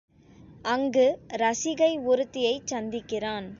அங்கு ரசிகை ஒருத்தியைச் சந்திக்கிறான்.